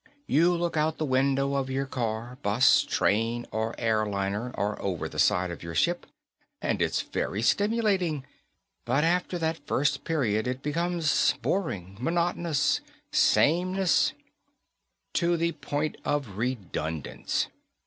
You look out the window of your car, bus, train, or airliner, or over the side of your ship, and it's very stimulating. But after that first period it becomes boring, monotonous, sameness to the point of redundance.